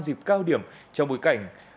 dịp cao điểm trong bối cảnh